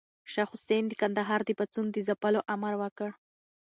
شاه حسين د کندهار د پاڅون د ځپلو امر وکړ.